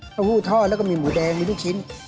หู้ทอดแล้วก็มีหมูแดงมีลูกชิ้น